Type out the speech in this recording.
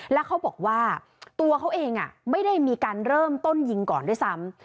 แล้วเขาบอกว่าตัวเขาเองไม่ได้มีการเริ่มต้นยิงก่อนด้วยซ้ำ